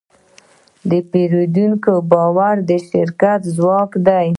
د پیرودونکي باور د شرکت ځواک دی.